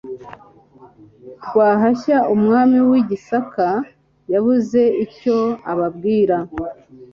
Rwahashya umwami w'i Gisaka yabuze icyo ababwira